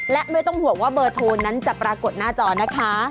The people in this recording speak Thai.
และไม่ต้องห่วงว่าเบอร์โทรนั้นจะปรากฏหน้าจอนะคะ